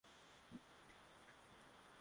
Biko aliwekewa hadi mipaka katika baadhi ya sehemu